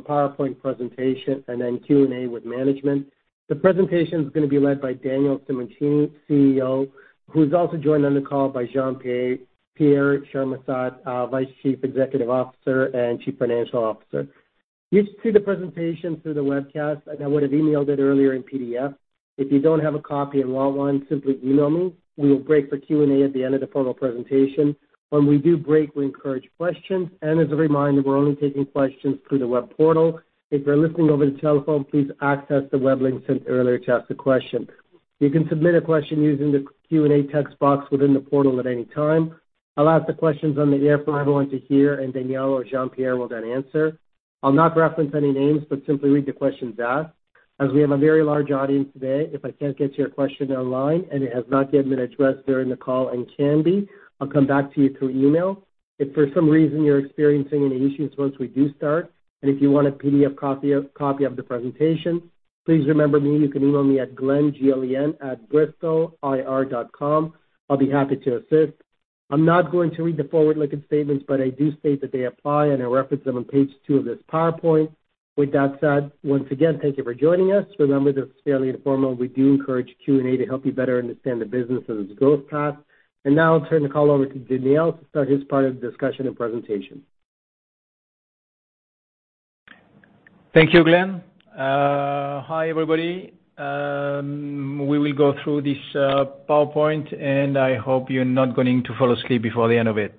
Understanding of the business through a PowerPoint presentation and then Q and A with management. The presentation is going to be led by Daniel Simoncini, CEO, who's also joined on the call by Jean-Pierre Charmensat, Vice Chief Executive Officer and Chief Financial Officer. You should see the presentation through the webcast and I would have emailed it earlier in PDF. If you don't have a copy and want one, simply email me. We will break for Q and A at the end of the formal presentation. When we do break, we encourage questions and as a reminder, we're only taking questions through the web portal. If you're listening over the telephone, please access the web link sent earlier to ask a question. You can submit a question using the Q and A text box within the portal at any time. I'll ask the questions on the air for everyone to hear, and Daniel or Jean-Pierre will then answer. I'll not reference any names but simply read the questions asked as we have a very large audience today. If I can't get to your question online and it has not yet been addressed during the call and can be, I'll come back to you through email if for some reason you're experiencing any issues. Once we do start and if you. Want a PDF copy of the presentation, please remember me, you can email me at glen@bristolir.com. I'll be happy to assist. I'm not going to read the forward-looking statements, but I do state that they apply and I reference them on page 2 of this PowerPoint. With that said, once again thank you for joining us. Remember this is fairly informal. We do encourage Q&A to help you better understand the business and its growth path. Now I'll turn the call over to Daniel to start his part of the discussion and presentation. Thank you Glen. Hi everybody. We will go through this PowerPoint and I hope you're not going to fall asleep before the end of it.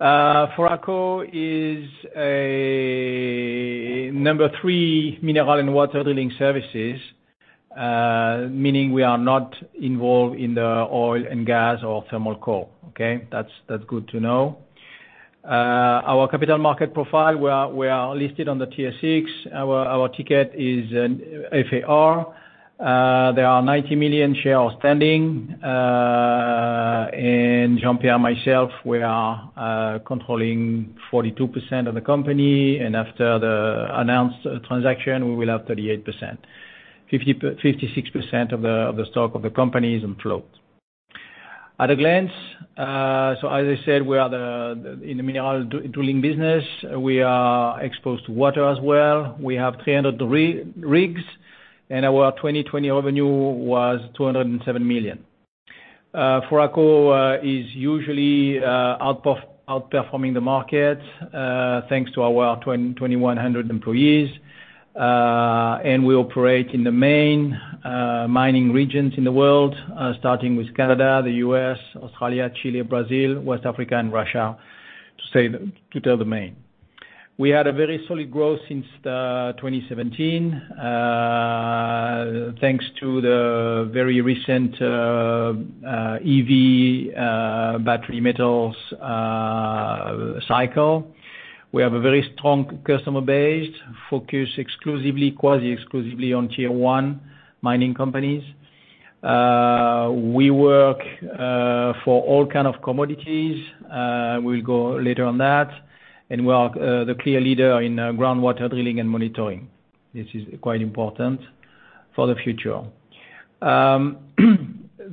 Foraco is a number three mineral and water drilling services, meaning we are not involved in the oil and gas or thermal coal. Okay, that's good to know. Our capital market profile. We are listed on the TSX. Our ticker is FAR. There are 90 million shares outstanding and Jean-Pierre and myself. We are controlling 42% of the company and after the announced transaction we will have 38%. 56% of the stock of the company is on float at a glance. So as I said, we are in the mineral drilling business. We are exposed to water as well. We have 300 rigs and our 2020 revenue was $207 million. Foraco is usually outperforming the market thanks to our 2,100 employees. We operate in the main mining regions in the world starting with Canada, the U.S., Australia, Chile, Brazil, West Africa and Russia. In total we had a very solid growth since 2017 thanks to the very recent EV battery metals cycle. We have a very strong customer base focused exclusively quasi exclusively on Tier 1 mining companies. We work for all kind of commodities. We will go later on that. And we are the clear leader in groundwater drilling and monitoring. This is quite important for the future.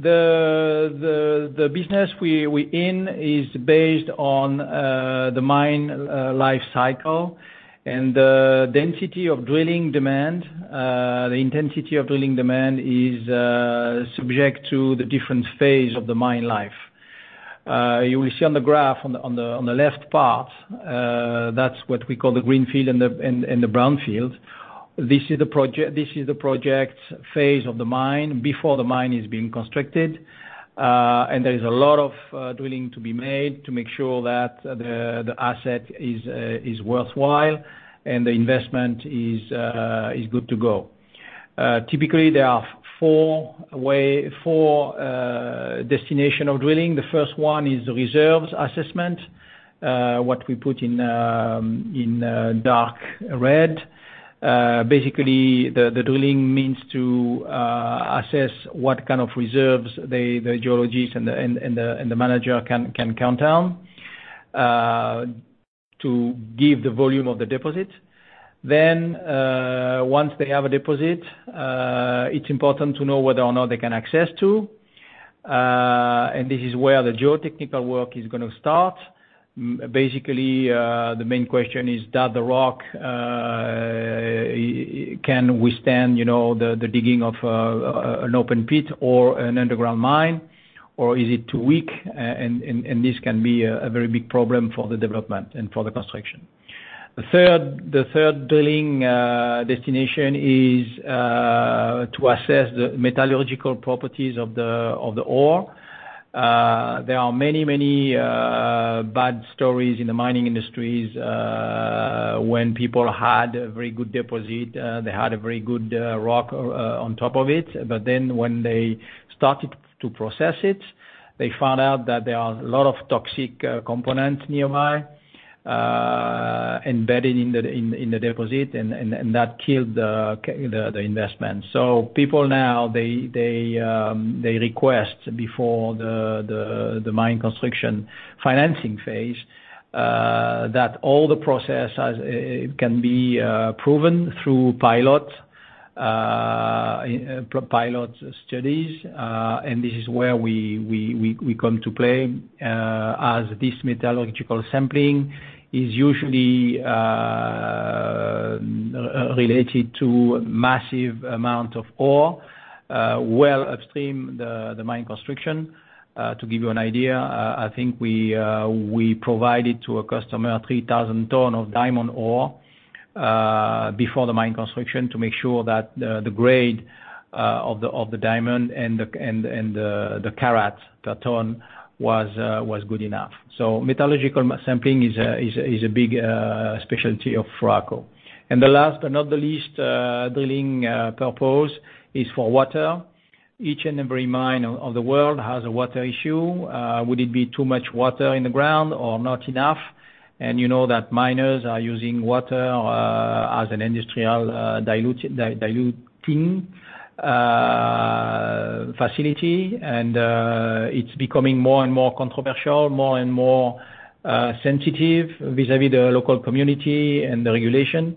The business we're in is based on the mine life cycle and the density of drilling demand. The intensity of drilling demand is subject to the different phase of the mine life. You will see on the graph on the left part. That's what we call the greenfield and the brownfield. This is the project phase of the mine before the mine is being constructed. There is a lot of drilling to be made to make sure that the asset is worthwhile and the investment is good to go. Typically there are four destinations of drilling. The first one is the reserves assessment. What we put in dark red. Basically the drilling means to assess what kind of reserves the geologist and the manager can count down. To give the volume of the deposit. Then once they have a deposit, it's important to know whether or not they can access to. And this is where the geotechnical work is going to start. Basically the main question is does the rock can withstand the digging of an open pit or an underground mine or is it too weak? And this can be a very big problem for the development and for the construction. The third drilling destination is to assess the metallurgical properties of the ore. There are many, many bad stories in the mining industries. When people had a very good deposit, they had a very good rock on top of it. But then when they started to process it, they found out that there are a lot of toxic components nearby embedded in the deposit and that killed the investment. People now request before the mine construction financing phase that all the process can be proven through pilot studies. And this is where we come to play as this metallurgical sampling is usually related to massive amount of ore well upstream the mine construction. To give you an idea, I think we provided to a customer 3,000 tons of diamond ore before the mine construction to make sure that the grade of the diamond and the carats per ton was good enough. So metallurgical sampling is a big specialty of Foraco. And the last but not the least drilling purpose is for water. Each and every mine of the world has a water issue. Would it be too much water in the ground or not enough? And you know that miners are using water as an industrial diluting facility. It's becoming more and more controversial, more and more sensitive vis-à-vis the local community and the regulation.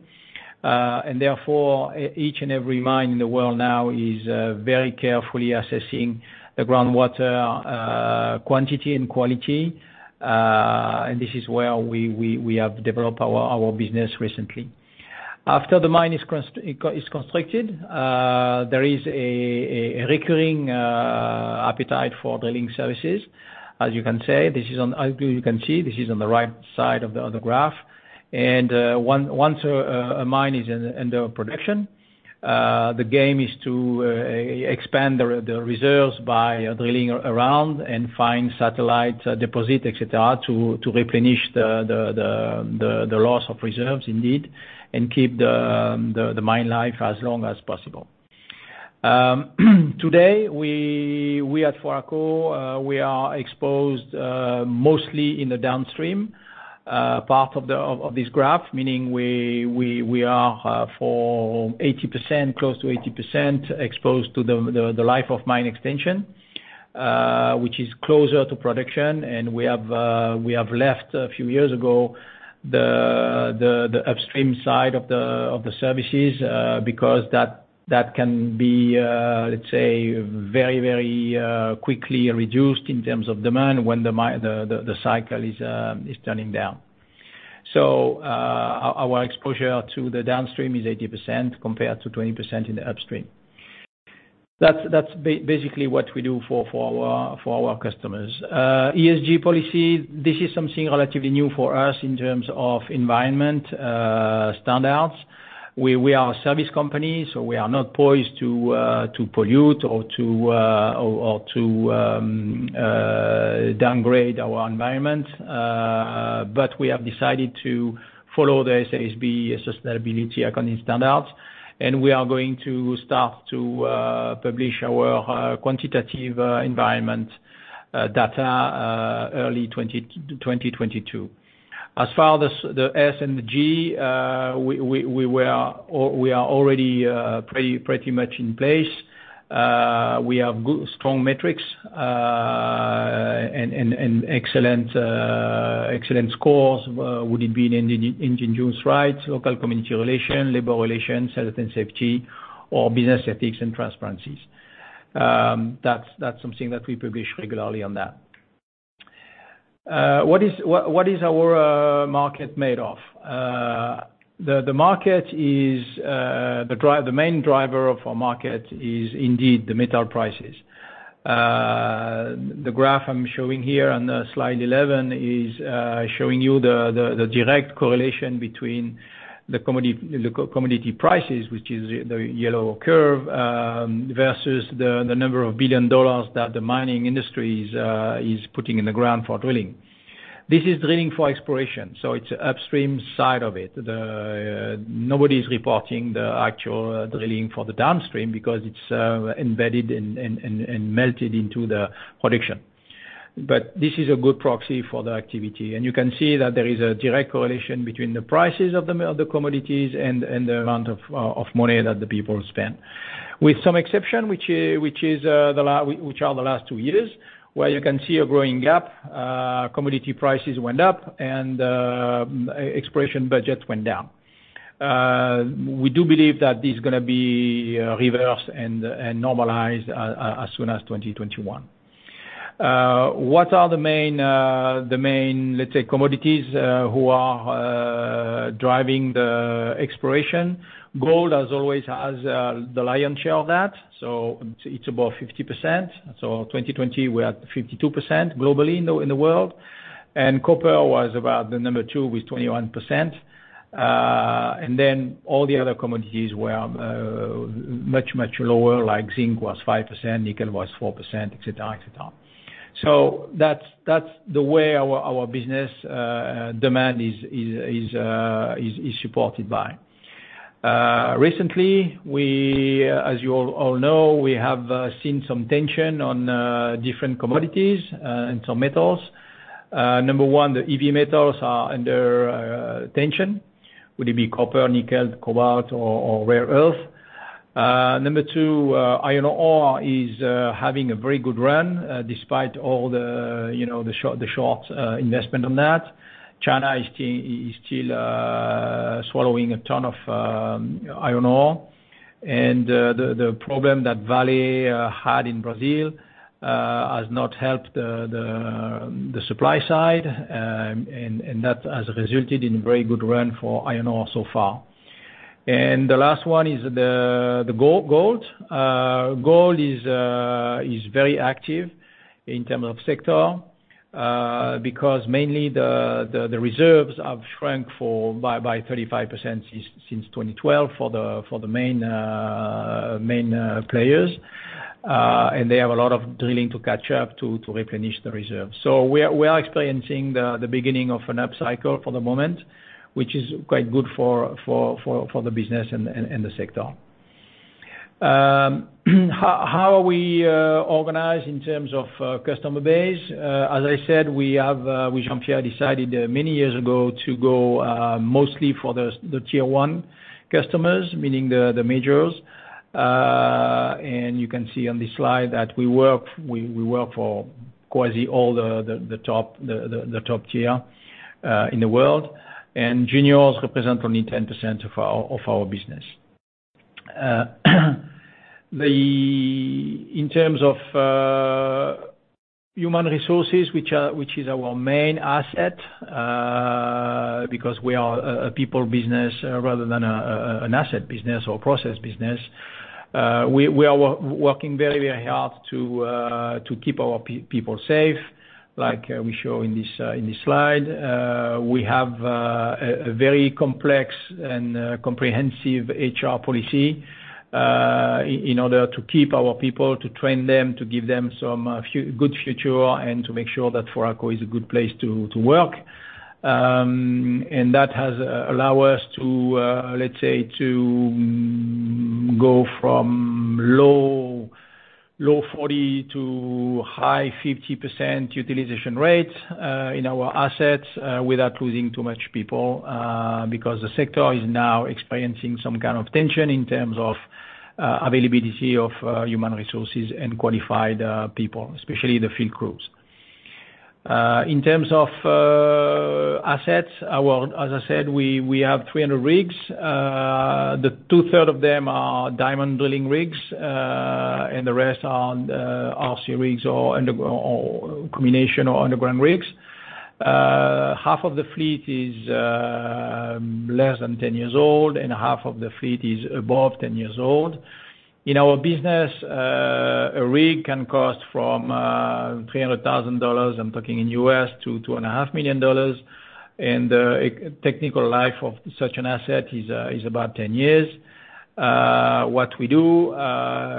Therefore each and every mine in the world now is very carefully assessing the groundwater quantity and quality. This is where we have developed our business recently, after the mine is constructed, there is a recurring appetite for drilling services, as you can say. You can see this is on the right side of the graph. Once a mine is under production, the game is to expand the reserves by drilling around and find satellite deposits, etc. To replenish the loss of reserves indeed, and keep the mine life as long as possible. Today, we at Foraco, we are exposed mostly in the downstream part of this graph, meaning we are for 80%, close to 80% exposed to the life of mine extension, which is closer to production. And we have left a few years ago. The upstream side of the services because that can be, let's say, very, very quickly reduced in terms of demand when the cycle is turning down. So our exposure to the downstream is 80% compared to 20% in the upstream. That's basically what we do for our customers, ESG policy. This is something relatively new for us in terms of environmental standards. We are a service company, so we are not poised to pollute or to downgrade our environment. But we have decided to follow the SASB sustainability accounting standards and we are going to start to publish our quantitative environmental data early 2022. As far as the S and the G. We are already pretty much in place. We have strong metrics and excellent scores. Would it be in Indigenous rights, local community relations, labor relations, health and safety, or business ethics and transparencies? That's something that we publish regularly on that. What is our market made of? The market is the main driver of our market is indeed the metal prices. The graph I'm showing here on slide 11 is showing you the direct correlation between the commodity prices, which is the yellow curve, versus the number of billion dollars that the mining industry is putting in the ground for drilling. This is drilling for exploration, so it's upstream side of it. Nobody is reporting the actual drilling for the downstream because it's embedded and melted into the production. But this is a good proxy for the activity. You can see that there is a direct correlation between the prices of the commodities and the amount of money that the people spend, with some exception, which are the last two years where you can see a growing gap. Commodity prices went up and exploration budget went down. We do believe that this is going to be reversed and normalized as soon as 2021. What are the main, let's say, commodities who are driving the exploration? Gold, as always, has the lion's share of that. So it's about 50%. So 2020 we had 52% globally in the world and copper was about the number two with 21%. And then all the other commodities were much, much lower. Like zinc was 5%, nickel was 4%, et cetera, et cetera. So that's the way our business demand is supported by. Recently we, as you all know, we have seen some tension on different commodities. Number one, the EV metals are under tension. Would it be copper, nickel, cobalt or rare earth? Number two, iron ore is having a very good run. Despite all the short investment on that. China is still swallowing a ton of iron ore. The problem that Vale had in Brazil has not helped the supply side. That has resulted in a very good run for iron ore so far. The last one is the gold. Gold is very active in terms of sector because mainly the reserves have shrunk by 35% since 2012 for the main players and they have a lot of drilling to catch up to replenish the reserve. So we are experiencing the beginning of an up cycle for the moment, which is quite good for the business and the sector. How are we organized in terms of customer base? As I said, we have with Jean-Pierre decided many years ago to go mostly for the Tier 1 customers, meaning the majors. And you can see on this slide that we work for quasi all the top Tier 1 in the world. And juniors represent only 10% of our business. In terms of human resources, which is our main asset. Because we are a people business rather than an asset business or process business. We are working very, very hard to keep our people safe. Like we show in this slide, we have a very complex and comprehensive HR policy in order to keep our people, to train them, to give them some good future and to make sure that Foraco is a good place to work. And that has allowed us to, let's say, to go from low 40 to high 50% utilization rate in our assets without losing too much people. Because the sector is now experiencing some kind of tension in terms of availability of human resources and qualified people, especially the field crews. In terms of assets, as I said, we have 300 rigs. Two thirds of them are diamond drilling rigs and the rest are RC rigs, rigs or combination or underground rigs; half of the fleet is less than 10 years old and half of the fleet is above 10 years old. In our business, a rig can cost from $300,000, I'm talking in U.S. to $2.5 million. The technical life of such an asset is about 10 years. What we do,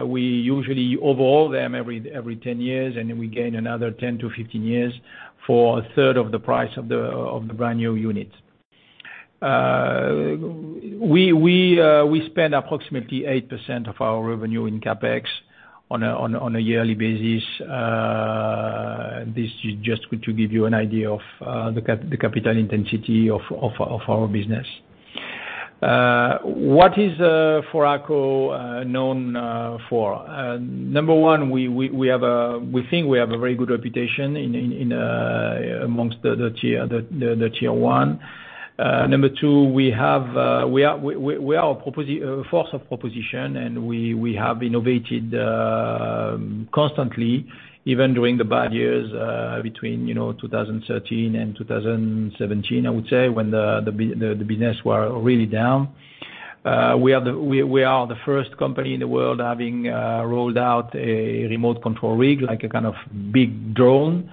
we usually overhaul them every 10 years and we gain another 10 years for a third of the price of the brand new unit. We spend approximately 8% of our revenue in CapEx on a yearly basis. This is just good to give you an idea of the capital intensity of our business. What is Foraco known for? Number 1, we think we have a very good reputation amongst the Tier 1. Number 2, we are a force of proposition and we have innovated constantly, even during the bad years between 2013 and 2017, I would say when the business were really down. We are the first company in the world having rolled out a remote control rig like a kind of big drone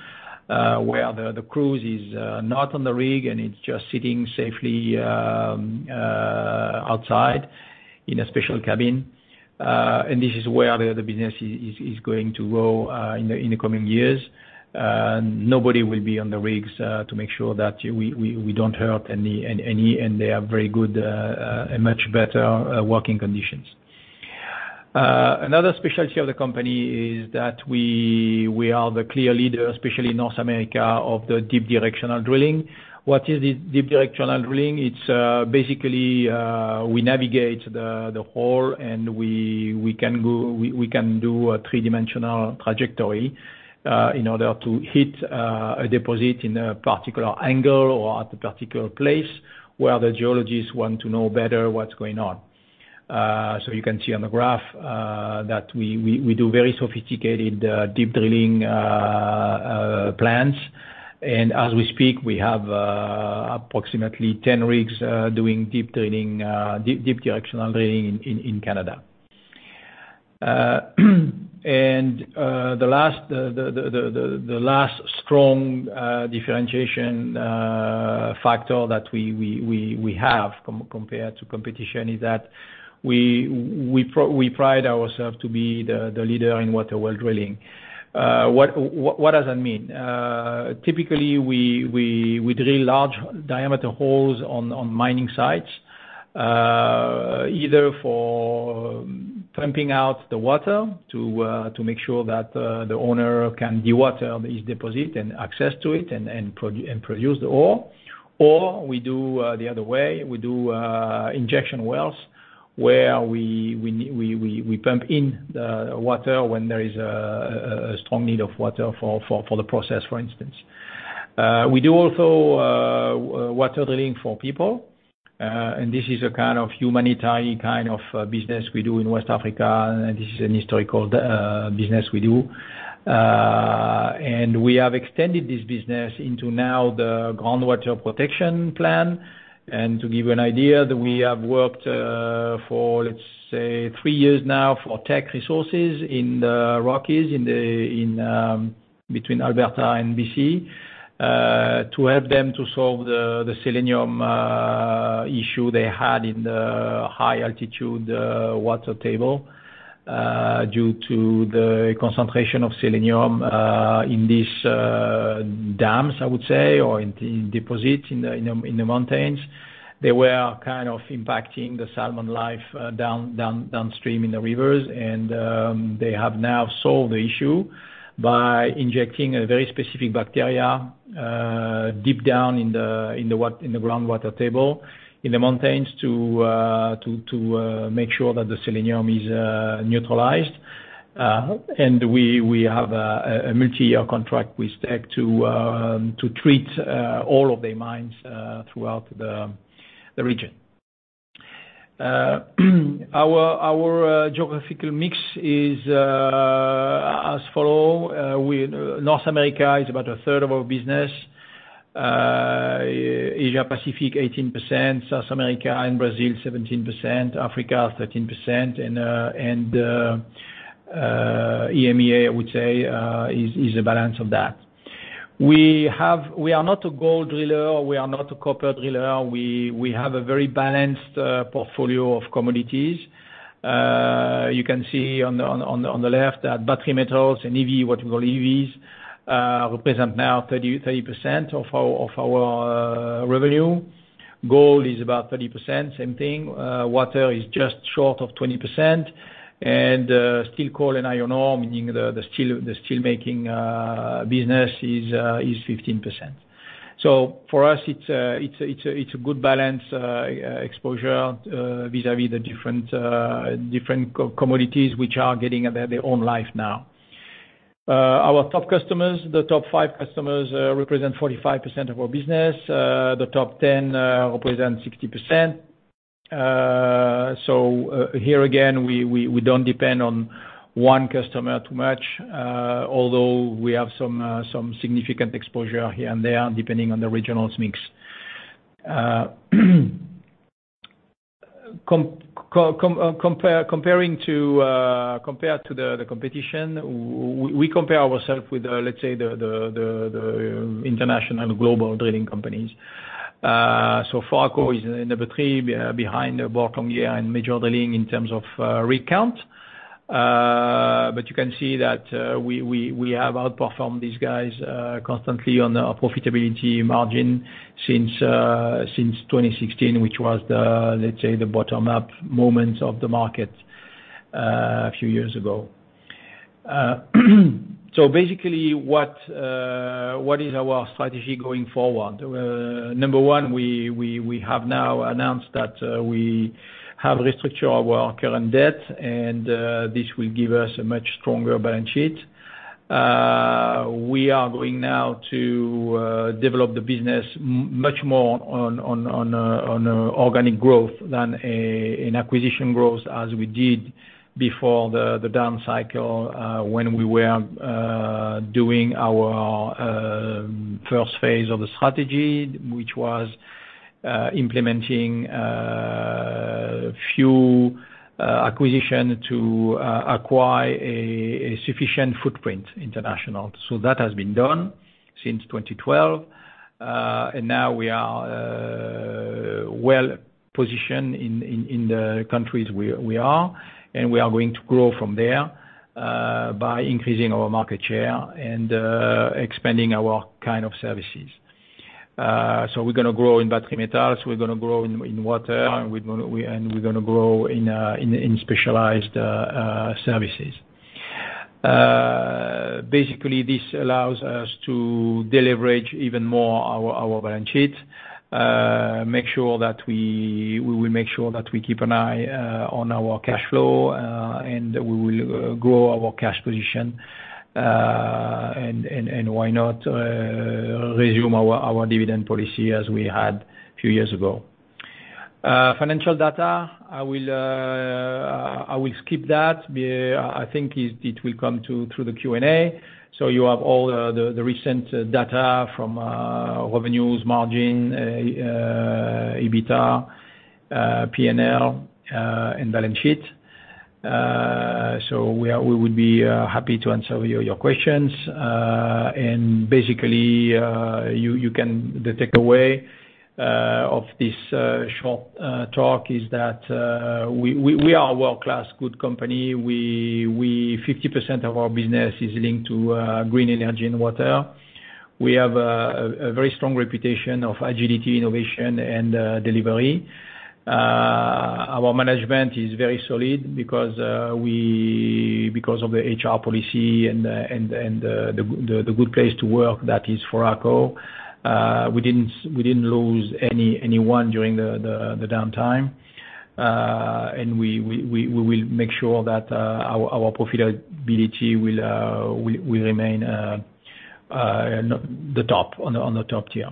where the crew is not on the rig and it's just sitting safely outside in a special cabin. This is where the business is going to grow in the coming years. Nobody will be on the rigs to make sure that we don't hurt any. They are very good and much better working conditions. Another specialty of the company is that we are the clear leader, especially in North America, of the deep directional drilling. What is deep directional drilling? It's basically we navigate the hole and we can do a three dimensional trajectory in order to hit a deposit in a particular angle or at a particular place or where the geologists want to know better what's going on. You can see on the graph that we do very sophisticated deep drilling plans. As we speak we have approximately 10 rigs doing deep directional drilling in Canada. The last strong differentiation factor that we have compared to competition is that we pride ourselves to be the leader in water well drilling. What does that mean? Typically we drill large diameter holes on mining sites either for pumping out the water to make sure that the owner can dewater his deposit and access to it and produce the ore, or we do the other way. We do injection wells where we pump in water when there is a strong need of water for the process. For instance, we do also water drilling for people. This is a kind of humanitarian kind of business we do in West Africa. This is an historical business we do and we have extended this business into now the groundwater protection plan. To give you an idea that we have worked for, let's say three years now for Teck Resources in the Rockies between Alberta and B.C. to help them to solve the selenium issue they had in the high altitude water table due to the concentration of selenium in these dams, I would say, or in deposits in the mountains, they were kind of impacting the salmon life downstream in the rivers. They have now solved the issue by injecting a very specific bacteria deep down in the groundwater table in the mountains to make sure that the selenium is neutralized. We have a multi-year contract with Teck to treat all of the mines throughout the region. Our geographical mix is as follow. North America is about a third of our business. Asia Pacific 18%. South America and Brazil 17%. Africa 13%. And EMEA I would say is a balance of that. We are not a gold driller, we are not a copper driller. We have a very balanced portfolio of commodities. You can see on the left, battery metals and EV, what we call EVs represent now 30% of our revenue. Gold is about 30%, same thing. Water is just short of 20%. And steel, coal and iron ore, meaning the steelmaking business is 15%. So for us it's a good balance. Exposure vis-à-vis the different commodities which are getting their own life. Now. Our top customers, the top five customers represent 45% of our business. The top 10 represent 60%. So here again we don't depend on one customer too much. Although we have some significant exposure here and there depending on the regional mix. Compared to the competition. We compare ourselves with, let's say, the international global drilling companies. So Foraco is number three behind Boart Longyear, Major Drilling in terms of rig count. But you can see that we have outperformed these guys constantly on profitability margins since 2016, which was, let's say, the bottom up moment of the market a few years ago. So basically what is our strategy going forward? Number one, we have now announced that we have restructured our current debt and this will give us a much stronger balance sheet. We are going now to develop the business much more organic growth than an acquisition growth as we did before the down cycle when we were doing our first phase of the strategy which was implementing few acquisitions to acquire a sufficient footprint international. So that has been done since 2012 and now we are well positioned in the countries we are and we are going to grow from there by increasing our market share and expanding our kind of services. So we're going to grow in battery metals, we're going to grow in water and we're going to grow in specialized services. Basically this allows us to deleverage even more our balance sheet. We will make sure that we keep an eye on our cash flow and we will grow our cash position. And why not resume our dividend policy as we had a few years ago. Financial data I will skip that. I think it will come through the Q&A. So you have all the recent data from revenues margin, EBITDA, P&L and balance sheet. So we would be happy to answer your questions. Basically you can take away of this short talk is that we are a world class good company. 50% of our business is linked to green energy and water. We have a very strong reputation of agility, innovation and delivery. Our management is very solid because of the HR policy and the good place to work. That is Foraco. We didn't lose anyone during the downtime and we will make sure that our profitability will remain the top on the top tier.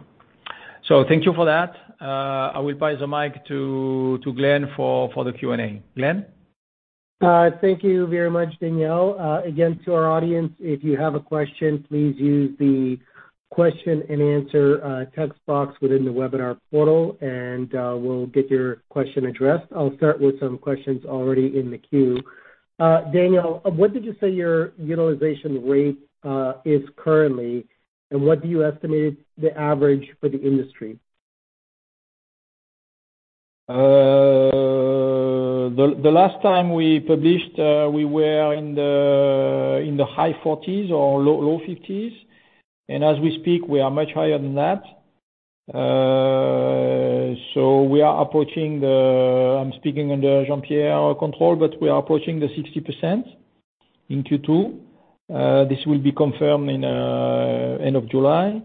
So thank you for that. I will pass the mic to Glen for the Q and A. Glen, Thank you very much, Daniel, again to our audience. If you have a question, please use the question-and-answer text box within the webinar portal, and we'll get your question addressed. I'll start with some questions already in the queue. Daniel, what did you say your utilization rate is currently, and what do you estimate the average for the industry? The last time we published we were in the high 40s or low 50s and as we speak we are much higher than that. So we are approaching the, I'm speaking under Jean-Pierre, our CFO but we are approaching the 60% in Q2. This will be confirmed in end of July.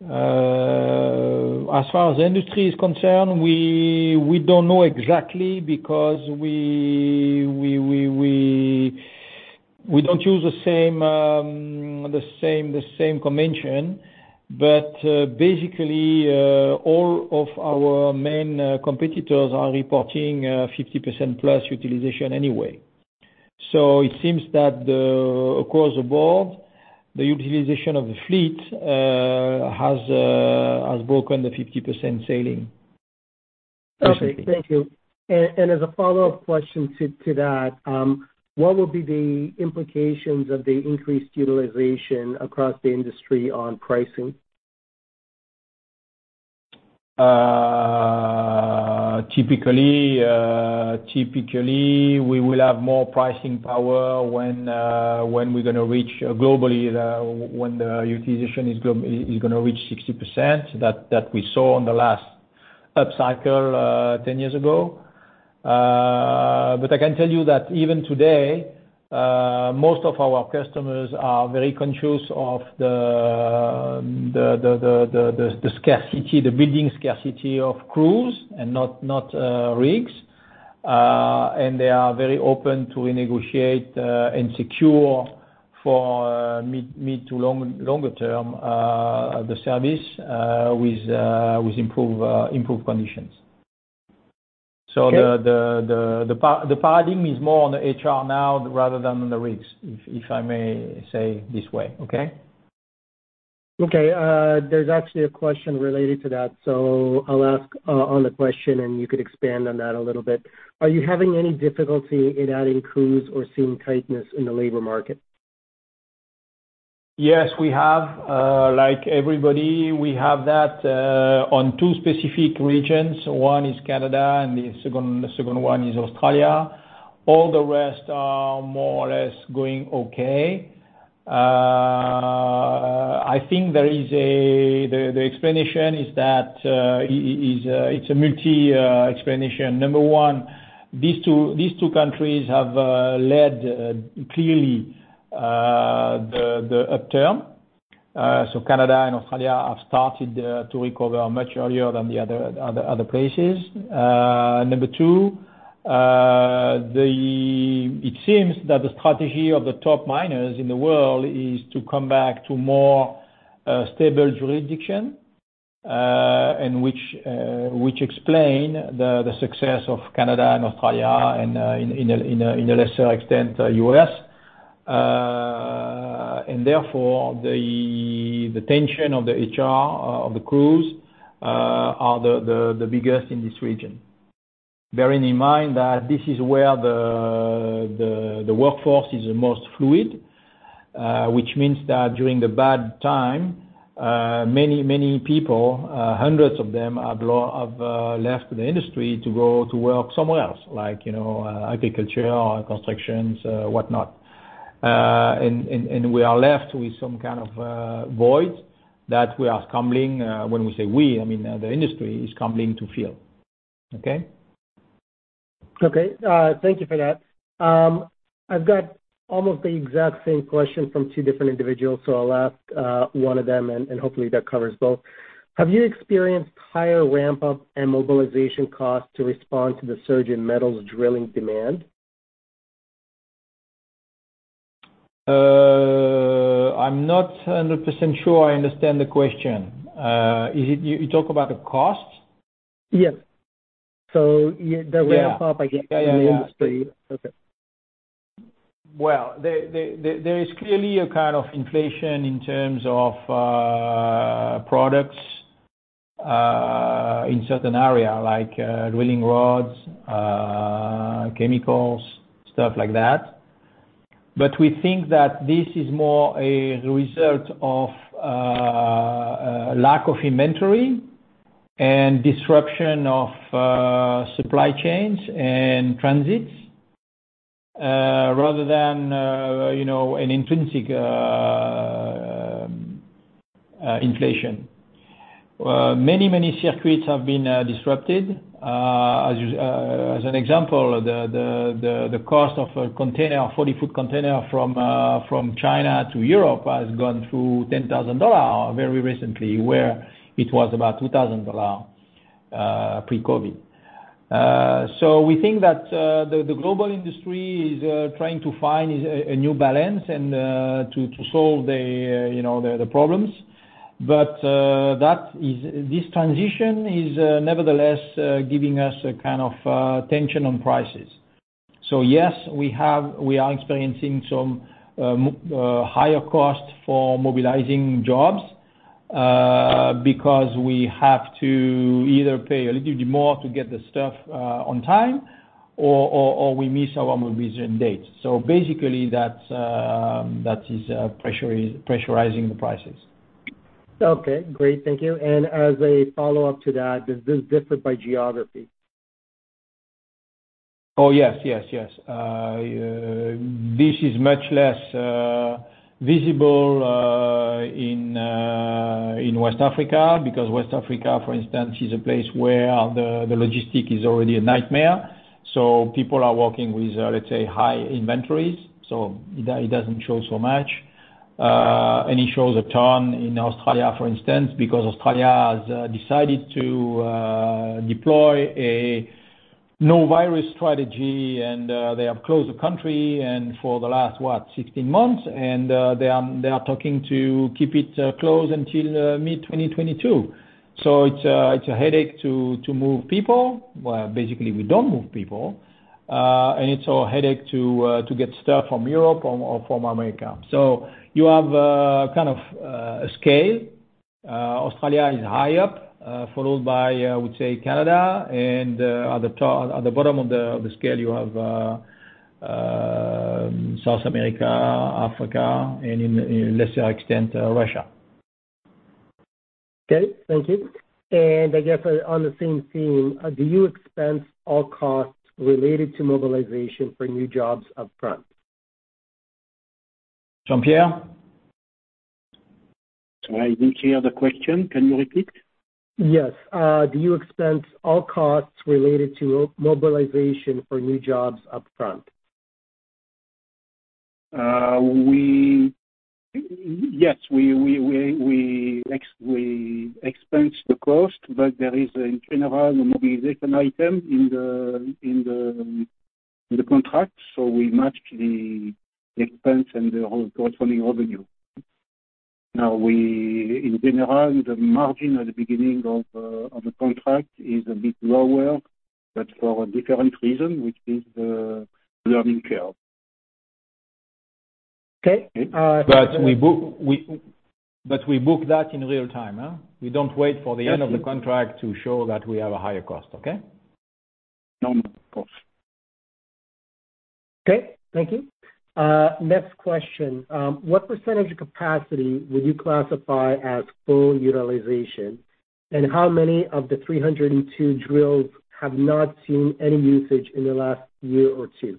As far as industry is concerned we don't know exactly because we don't use the same convention. But basically all of our main competitors are reporting 50%+ utilization anyway. So it seems that across the board the utilization of the fleet has broken the 50% ceiling. Okay, thank you. As a follow-up question to that, what will be the implications of the increased utilization across the industry on pricing? Typically, typically we will have more pricing power when we're going to reach globally when the utilization is going to reach 60% that we saw in the last up cycle 10 years ago. But I can tell you that even today most of our customers are very conscious of the scarcity, the building scarcity of crews and not rigs, and they are very open to renegotiate and secure for mid- to longer-term the service with improved, improved conditions. So the padding is more on the HR now rather than on the rigs. If I may say this way. Okay, okay. There's actually a question related to that, so I'll ask the question and you could expand on that a little bit. Are you having any difficulty in adding crews or seeing tightness in the labor market? Yes, we have, like everybody, we have that on two specific regions. One is Canada and the second one is Australia. All the rest are more or less going. Okay. I think there is. The explanation is that it's a multi explanation. Number one, these two countries have led clearly the upturn. So Canada and Australia have started to recover much earlier than the other places. Number two, it seems that the strategy of the top miners in the world is to come back to more stable jurisdiction and which explain the success of Canada and Australia and in a lesser extent U.S. And therefore the tension of the HR of the crews are the biggest in this region. Bearing in mind that this is where the workforce is the most fluid, which means that during the bad time, many, many people, hundreds of them have left the industry to go to work somewhere else like, you know, agriculture, construction, whatnot. And we are left with some kind of voids that we are scrambling. When we say we, I mean the industry is coming to feel. Okay, okay, thank you for that. I've got almost the exact same question from two different individuals. So I'll ask one of them and hopefully that covers both. Have you experienced higher ramp up and mobilization costs to respond to the surge in metals drilling demand? I'm not 100% sure I understand the question. You talk about the cost. Yes. So the ramp up in the industry. Well, there is clearly a kind of inflation in terms of products in certain area like drilling rods, chemicals, stuff like that. But we think that this is more a result of lack of inventory and disruption of supply chains and transit rather than, you know, an intrinsic inflation. Many, many circuits have been disrupted. As an example, the cost of a container, 40-foot container from China to Europe has gone through $10,000 very recently where it was about $2,000 pre-COVID. So we think that the global industry is trying to find a new balance and to solve the problems, but that this transition is nevertheless giving us a kind of tension on prices. So yes, we are experiencing some higher cost for mobilizing jobs because we have to either pay a little bit more to get the stuff on time or we miss our mobilization date. Basically that is pressurizing the prices. Okay, great, thank you. As a follow up to that, does this differ by geography? Oh yes, yes, yes. This is much less visible in West Africa, because West Africa, for instance, is a place where the logistics is already a nightmare. So people are working with, let's say, high inventories, so it doesn't show so much, and it shows a ton. In Australia, for instance, because Australia has decided to deploy a no virus strategy and they have closed the country and for the last, what, 16 months, and they are talking to keep it closed until mid-2022. So it's a headache to move people. Basically, we don't move people. And it's a headache to get stuff from Europe or from America. So you have kind of a scale. Australia is high up, followed by, I would say, Canada. And at the bottom of the scale. You have South America, Africa, and to a lesser extent, Russia. Okay, thank you. And I guess on the same theme, do you expect all costs related to mobilization for new jobs up front? Jean-Pierre. Sorry, I didn't hear the question. Can you repeat? Yes. Do you expense all costs related to mobilization for new jobs up front? We, Yes, we expense the cost, but there is in general a mobilization item in the contract. So we match the expense and the corresponding revenue. Now we, in general, the margin at the beginning of the contract is a bit lower, but for a different reason, which is the learning curve. Okay. But we book that in real time. We don't wait for the end of the contract to show that we have a higher cost. Okay. No cost. Okay, thank you. Next question. What percentage of capacity would you classify as full utilization? And how many of the 302 drills have not seen any usage in the last year or two?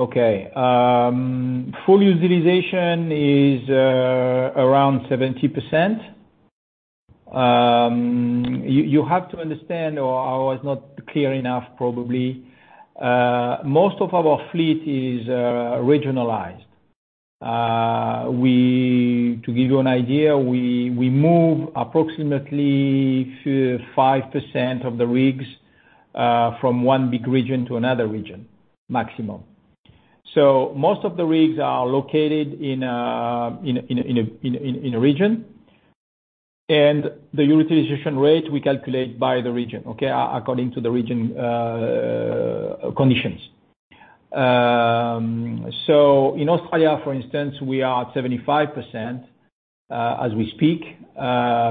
Okay. Full utilization is around 70%. You have to understand, or I was not clear enough. Probably most of our fleet is regionalized. To give you an idea, we move approximately 5% of the rigs from one big region to another region, maximum. So most of the rigs are located in a region. And the utilization rate we calculate by the region, okay. According to the region conditions. So in Australia, for instance, we are at 75% as we speak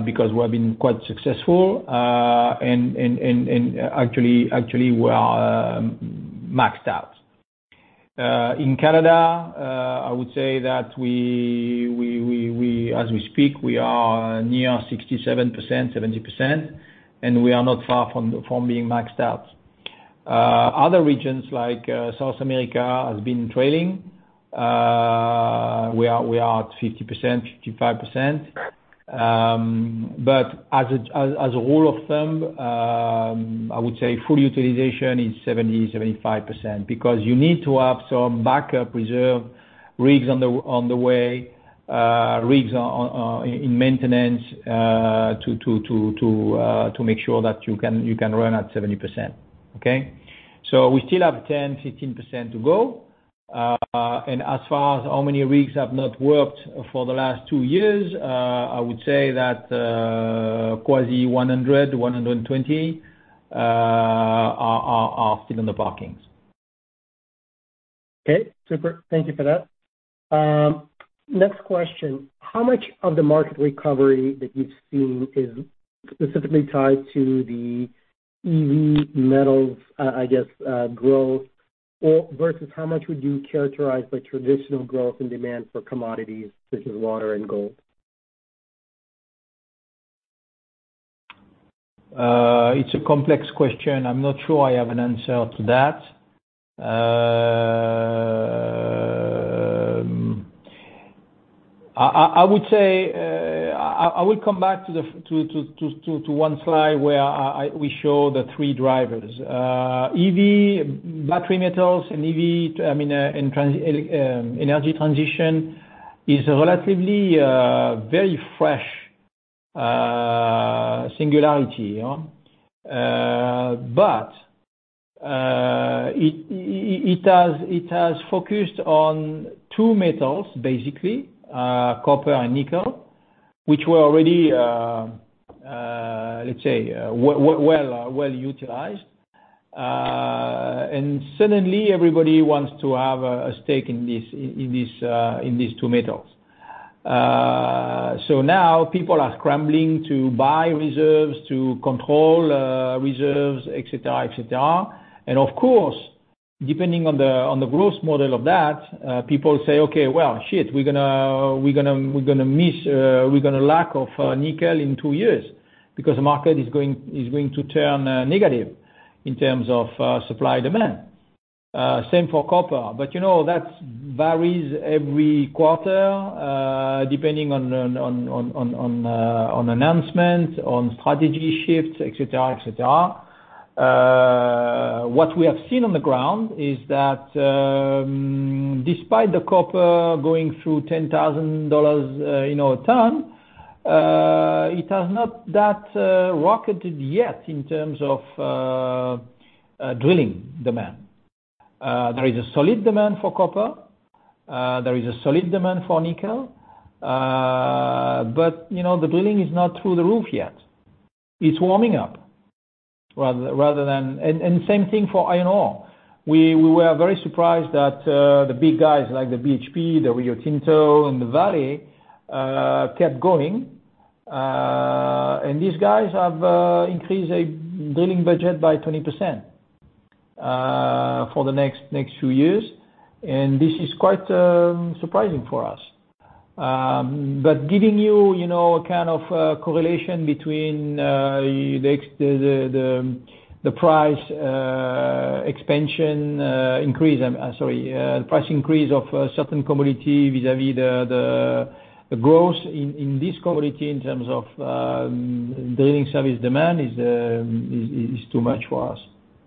because we have been quite successful. And actually we are maxed out. In Canada, I would say that as we speak, we are near 67%, 70%, and we are not far from being maxed out. Other regions like South America has been trailing. We are at 50%, 55%. But as a rule of thumb, I would say full utilization is 70%-75%, because you need to have some backup reserve rigs on the way, rigs in maintenance to make sure that you can run at 70%. So we still have 10%-15% to go and as far as how many rigs have not worked for the last two years, I would say that quasi 100-120 are still in the parkings. Okay, super, thank you for that. Next question. How much of the market recovery that you've seen is specifically tied to the EV metals? I guess growth versus how much would you characterize by traditional growth in demand for commodities such as water and gold? It's a complex question. I'm not sure I have an answer to that. I would say I will come back to one slide where we show the three drivers. EV battery, metals and EV. I mean energy transition is relatively very fresh singularity, but it has focused on two metals, basically copper and nickel, which were already, let's say, well utilized. And suddenly everybody wants to have a stake in these two metals. So now people are scrambling to buy reserves, to control reserves, etc., etc. And of course depending on the gross model of that, people say okay, well shit, we're going to miss, we're going to lack of nickel in two years because the market is going to turn negative in terms of supply demand. Same for copper, but you know, that varies every quarter depending on announcements on strategy shifts, etc., etc. What we have seen on the ground is that despite the copper going through $10,000 a tonne, it has not rocketed yet in terms of drilling demand. There is a solid demand for copper, there is a solid demand for nickel, but you know, the drilling is not through the roof yet. It's warming up rather than, and same thing for iron ore. We were very surprised that the big guys like the BHP, the Rio Tinto and the Vale kept going and these guys have increased their drilling budget by 20% for the next few years. And this is quite surprising for us, but giving you a kind of correlation between the price expansion, increase, sorry, price increase of certain commodity vis-à-vis the growth in this commodity in terms of drilling service demand is too much for us.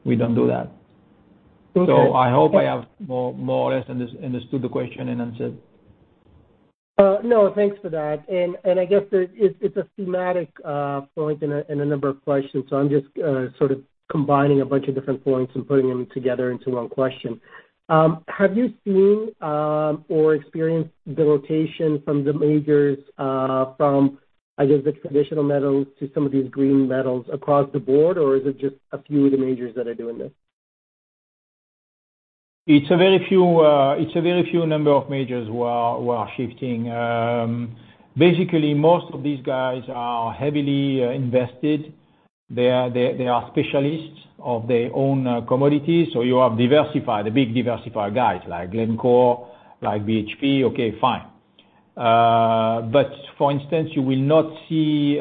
We don't do that. I hope I have more or less understood the question and answered. No, thanks for that. I guess it's a thematic point in a number of questions. I'm just sort of combining a bunch of different points and putting them together into one question. Have you seen or experienced the rotation from the majors from I guess the traditional metals to some of these green metals across the board or is it just a few of the majors that are doing this? It's a very few number of majors who are shifting. Basically most of these guys are heavily invested. They are specialists of their own commodities. So you have diversified. The big diversified guys like Glencore, like BHP. Okay, fine. But for instance, you will not see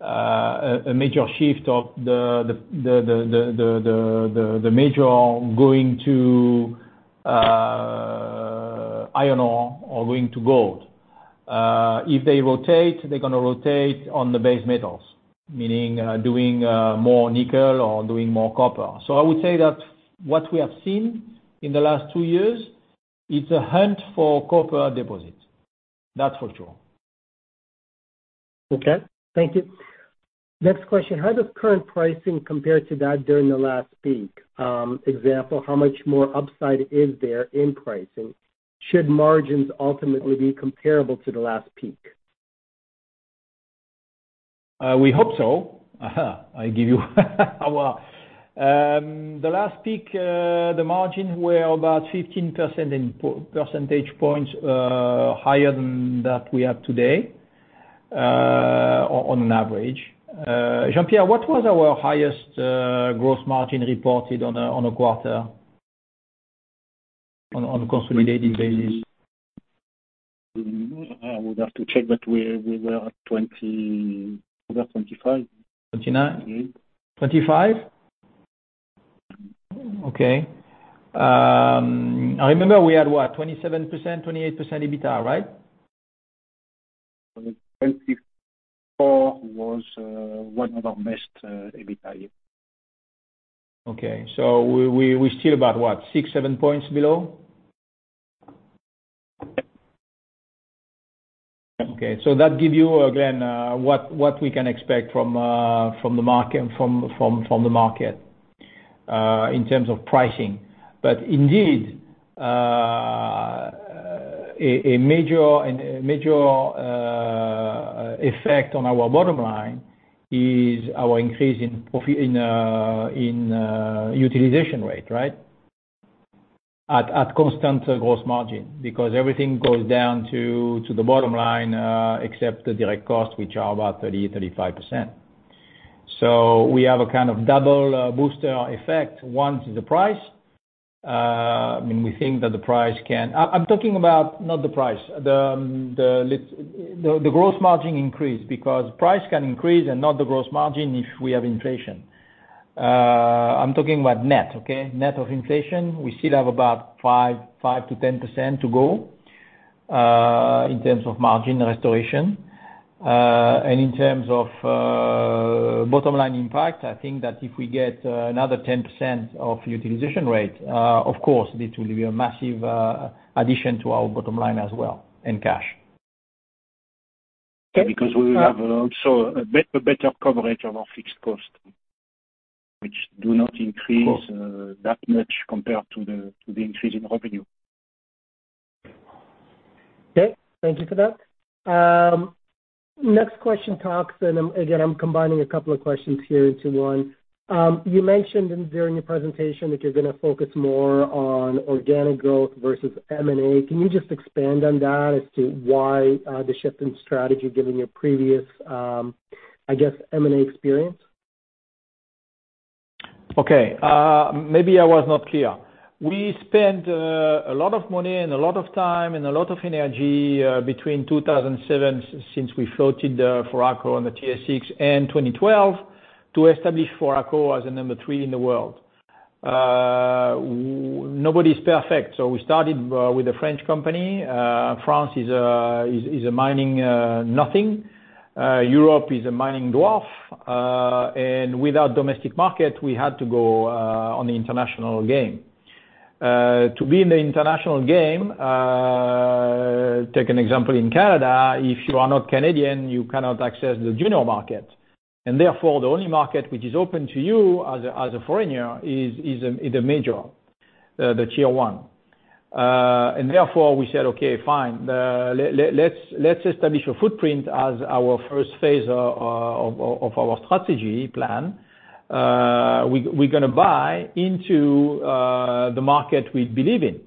a major shift of the major going to iron ore or going to gold. If they rotate, they're going to rotate on the base metals, meaning doing more nickel or doing more copper. So I would say that what we have seen in the last two years, it's a hunt for copper deposits, that's for sure. Okay, thank you. Next question. How does current pricing compare to that during the last peak example? How much more upside is there in pricing? Should margins ultimately be comparable to the last peak? We hope so. I give you the last peak. The margin were about 15% input percentage points higher than that we have today on an average. Jean-Pierre, what was our highest gross margin reported on a quarter on a consolidated basis? We'd have to check, but we were at 20 over 25. 2029, 2025. Okay, I remember we had what, 27%-28% EBITDA. Right. Was one of our best EBITDA. Okay, so we're still about what, 6-7 points below. Okay, so that gives you again what we can expect from the market. From the market in terms of pricing. But indeed a major effect on our bottom line is our increase in utilization rate. Right. At constant gross margin. Because everything goes down to the bottom line except the direct cost, which are about 30%-35%. So we have a kind of double booster effect once the price. We think that the price can. I'm talking about not the price, the gross margin increase, because price can increase and not the gross margin. If we have inflation, I'm talking about net. Okay, net of inflation. We still have about 5%-10% to go in terms of margin restoration. In terms of bottom line impact, I think that if we get another 10% of utilization rate, of course it will be a massive addition to our bottom line as well. Cash. Because we will have also a better coverage of our fixed cost which do not increase that much compared to the increase in revenue. Okay, thank you for that. Next question. Thanks. And again, I'm combining a couple of questions here into one. You mentioned during your presentation that you're going to focus more on Organic Growth versus M&A. Can you just expand on that as to why the shift in strategy given your previous, I guess, M&A experience? Okay, maybe I was not clear. We spent a lot of money and a lot of time and a lot of energy between 2007 since we floated Foraco and the TSX and 2012 to establish Foraco as a number three in The world. Nobody's perfect. So we started with a French company. France is a mining nothing, Europe is a mining dwarf. And without domestic market, we had to go on the international game to be in the international game. Take an example, in Canada, if you are not Canadian, you, you cannot access the junior market. And therefore the only market which is open to you as a foreigner is a major, the Tier 1. And therefore we said, okay, fine, let's establish a footprint as our first phase of our strategy plan. We're going to buy into the market we believe in.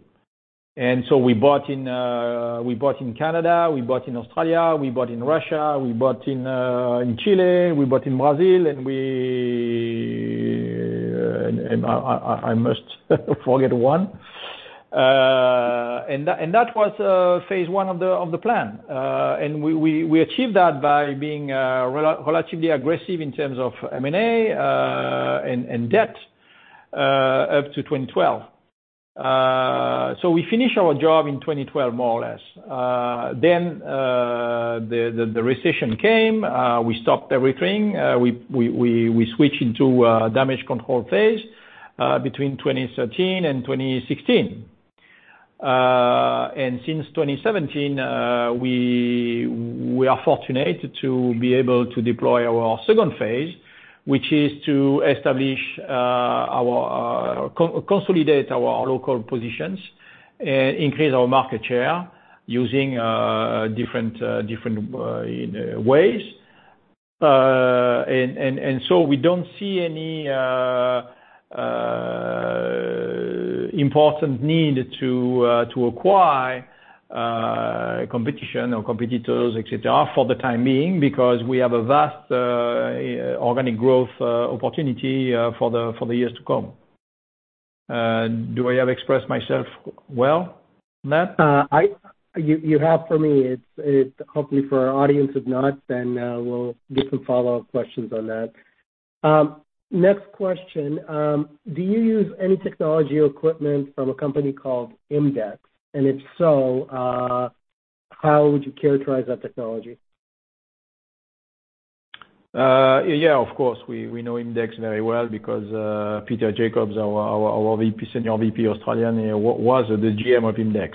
And so we bought in Canada, we bought in Australia, we bought in Russia, we bought in Chile, we bought in Brazil. And I must forget one, and that was phase one of the plan. We achieved that by being relatively aggressive in terms of M&A and debt up to 2012. So we finished our job in 2012, more or less. Then the recession came, we stopped everything. We switched into damage control phase between 2013 and 2016. And since 2017 we are fortunate to be able to deploy our second phase which is to establish our consolidate our local positions and increase our market share using different ways. And so we don't see any important need to acquire competition or competitors, etc. For the time being because we have a vast organic growth opportunity for the years to come. Do I have expressed myself well? Nat, I. You have for me, hopefully for our audience. If not, then we'll get some follow up questions on that. Next question. Do you use any technology or equipment from a company called IMDEX and if so, how would you characterize that technology? Yeah, of course we know IMDEX very well because Peter Jacobs, our senior VP Australian was the GM of IMDEX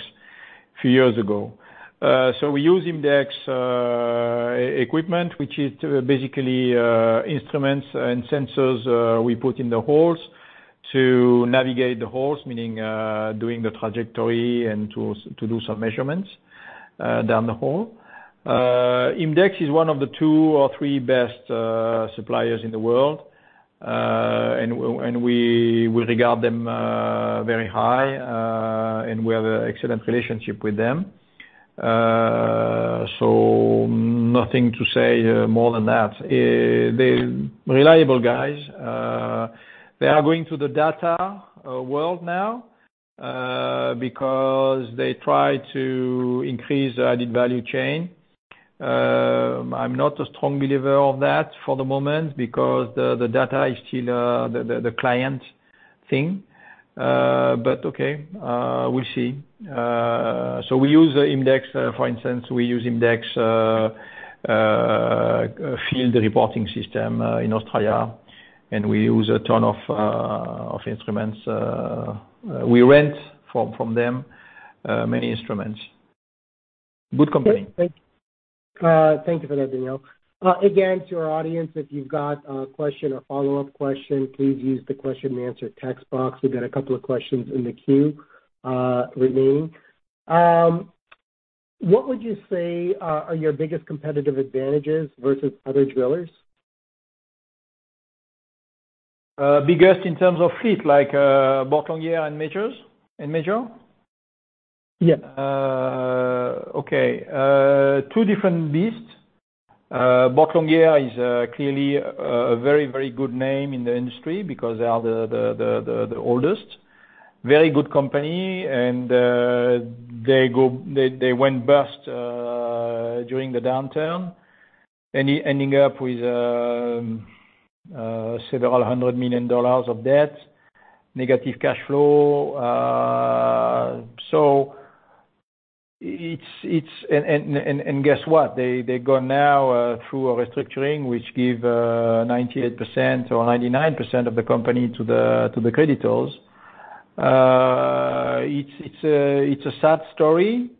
few years ago. So we use IMDEX equipment which is basically instruments and sensors we put in the holes to navigate the holes, meaning doing the trajectory and to do some measurements down the hole. IMDEX is one of the two or three best suppliers in the world and we regard them very high and, and we have an excellent relationship with them. So nothing to say more than that they reliable guys, they are going to the data world now because they try to increase added value chain. I'm not a strong believer of that for the moment because the data is still the client thing. But okay, we'll see. So we use IMDEX, for instance. We use IMDEX field reporting system in Australia and we use a ton of instruments we rent from them, many instruments. Good company, Thank you for that. Daniel, again to our audience, if you've got a question or follow-up question. Please use the question and answer text box. We've got a couple of questions in the queue remaining. What would you say are your biggest competitive advantages versus other drillers? Biggest in terms of fleet like Boart Longyear and others and Major. Yes. Okay. Two different beasts. Boart Longyear is clearly a very, very good name in the industry because they are the oldest very good company and they went bust during the downturn, ending up with $several hundred million of debt, negative cash flow. So, It's. And guess what? They go now through restructuring, which give 98% or 99% of the company to the creditors. It's a sad story.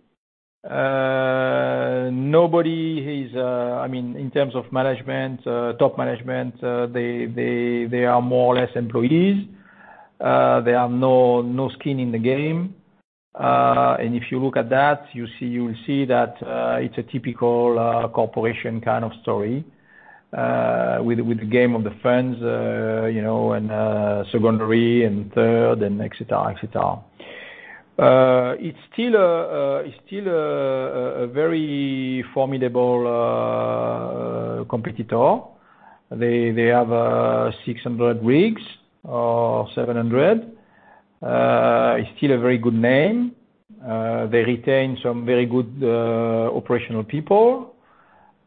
Nobody is. I mean in terms of management, top management, they are more or less employees. They have no skin in the game. And if you look at that, you will see that it's a typical corporation kind of story with the game of the fans, you know, and secondary and third and etc. It's still a very formidable competitor. They have 600 rigs or 700. It's still a very good name. They retain some very good operational people.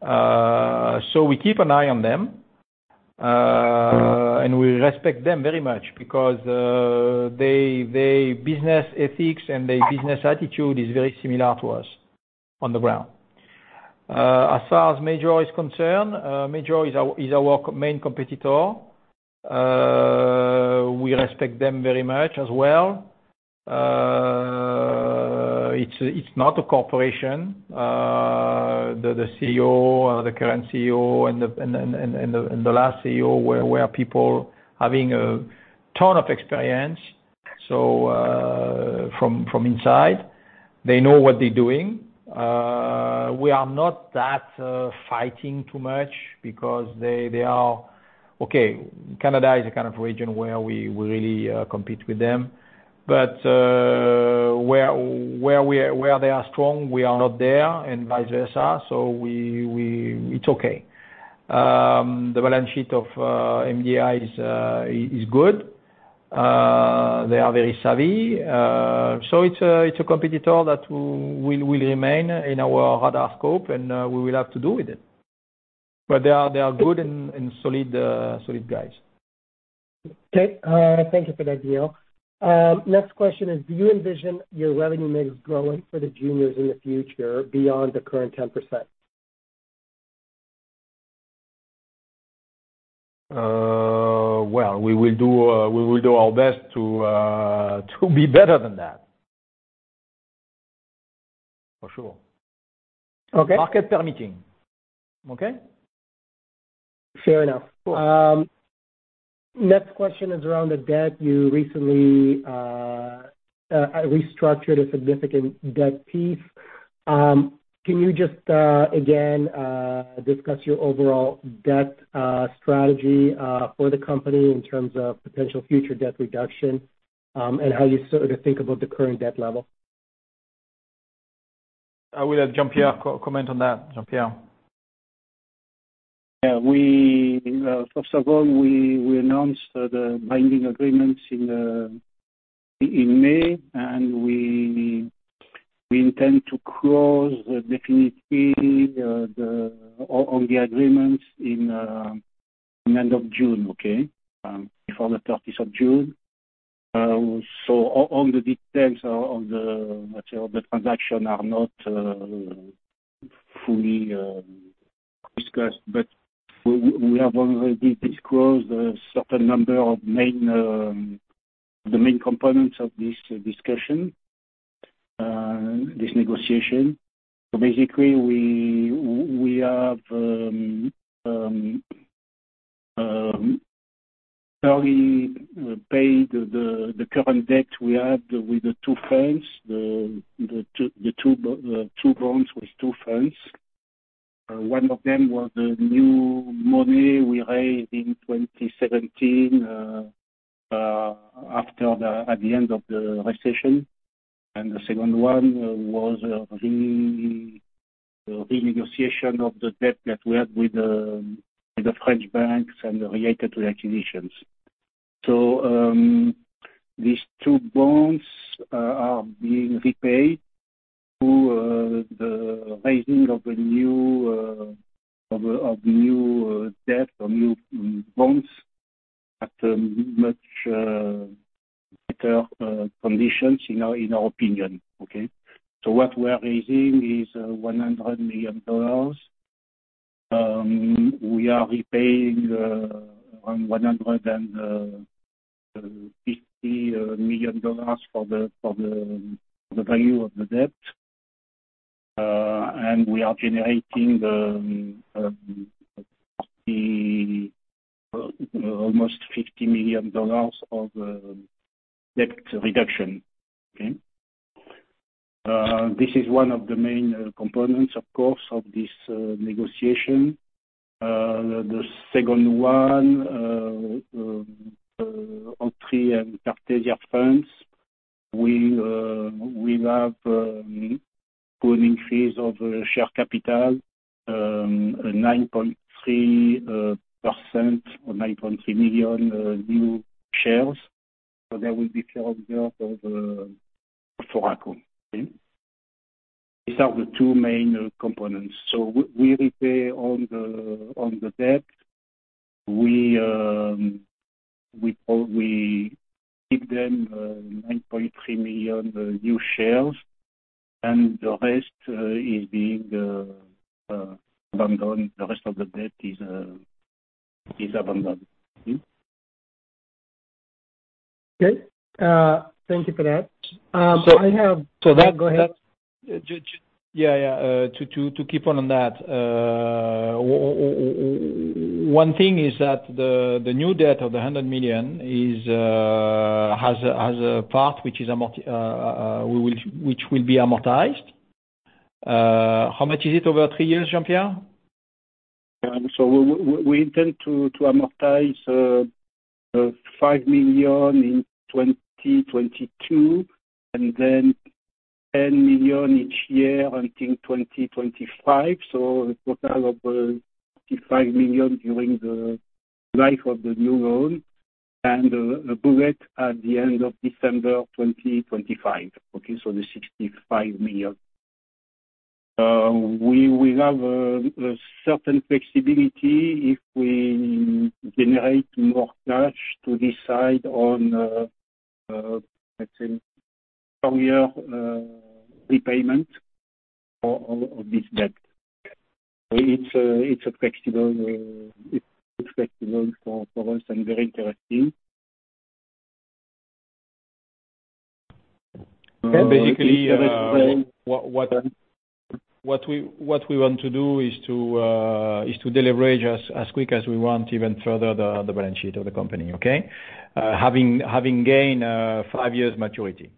So we keep an eye on them and we respect them very much because their business ethics and their business attitude is very similar to us on the ground. As far as Major is concerned, Major is our main competitor. We respect them very much as well. It's not a corporation. The CEO, the current CEO and the last CEO were people, people having a ton of experience from inside. They know what they're doing. We are not that fighting too much. Because they are okay. Canada is a kind of region where we really compete with them, but where they are strong, we are not there and vice versa. So it's okay. The balance sheet of MDI is good. They are very savvy. So it's a competitor that will remain in our radar scope and we will have to do with it. But they are good and solid guys. Okay, thank you for that, Neil. Next question is, do you envision your revenue mix growing for the juniors in the future beyond the current 10%? Well, we will do our best to be better than that. For sure. Okay. Market permitting. Okay, fair enough. Next question is around the debt. You recently restructured a significant debt piece. Can you just again discuss your overall debt strategy for the company in terms of potential future debt reduction and how you sort of think about the current debt level? Comment on that, Jean-Pierre? First of all, we announced the binding agreements in May and we intend to close definitely on the agreement at the end of June. Okay. Before the 30th of June. So all the details of the transaction are not fully discussed, but we have already disclosed a certain number of main terms. The main components of this discussion, this negotiation. Basically, we have paid the current debt we had with the two funds, the two bonds with two funds. One of them was the new money we raised in 2017 after the end of the recession. And the second one was renegotiation of the debt that we had with the French banks and related to the acquisitions. So these two bonds are being repaid through the raising of new debt or new bonds at much better conditions in our opinion. Okay, so what we're raising is $100 million. We are repaying $150 million for the value of the debt and we are generating almost $50 million of debt reduction. This is one of the main components of course of this negotiation. The second one Oaktree and Kartesia funds we have increase of share capital 9.3% or 9.3 million new shares. So there will be. These are the two main components. So we repay on the debt. We give them 9.3 million new shares and the rest is being abandoned. The rest of the debt is abandoned. Okay, thank you for that. Yeah, to keep on that one thing is that the new debt of $100 million has passed which will be amortized how much is it? Over three years, Jean-Pierre? We intend to amortize $5 million in 2022 and then $10 million each year until 2025. A total of $45 million during the life of the new owners and a bullet at the end of December 2025. Okay, the $65 million we will have a certain flexibility if we generate more cash to decide on, let's say repayment of this debt. It's practical for us and very interesting. Basically, what we want to do is to deleverage as quick as we want. Even further the balance sheet of the company. Okay. Having gained five years maturity.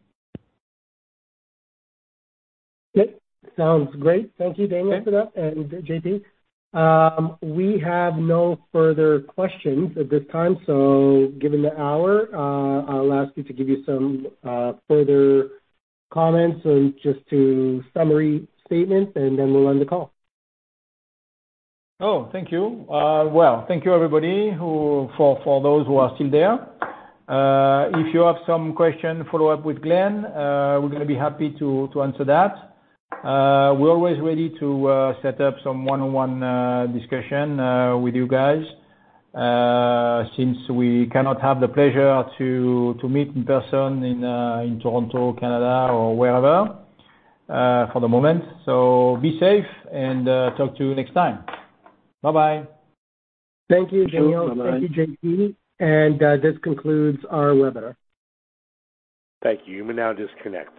Sounds great. Thank you, Daniel, for that. And, JP, we have no further questions at this time. So, given the hour, I'll ask you to give you some further comments just to summary statements, and then we'll end the call. Oh, thank you. Well, thank you everybody. For those who are still there, if you have some question, follow up with Glen. We're going to be happy to answer that. We're always ready to set up some one-on-one discussion with you guys since we cannot have the pleasure to meet in person in Toronto, Canada or wherever for the moment. So be safe and talk to you next time. Bye. Bye. Thank you, J.P., and this concludes our webinar. Thank you. You may now disconnect.